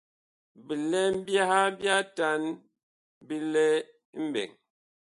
Bilɛm byaha bi atan bi lɛ mɓɛɛŋ.